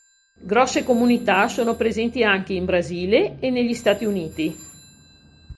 Grosse comunità sono presenti anche in Brasile e negli Stati Uniti.